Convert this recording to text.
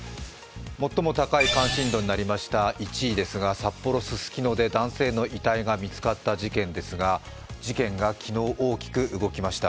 最も高い関心度になりました１位ですが札幌・ススキノで男性の遺体が見つかった事件ですが、事件が昨日、大きく動きました。